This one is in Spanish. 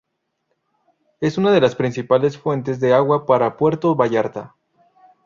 Es una de las principales fuentes de agua para Puerto Vallarta.